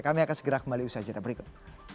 kami akan segera kembali usaha jadwal berikut